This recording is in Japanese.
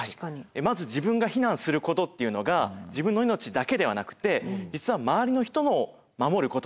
まず自分が避難することっていうのが自分の命だけではなくて実は周りの人も守ることなんだ。